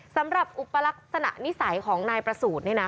สำหรับอุปลักษณะนิสัยของนายประสูจน์เนี่ยนะ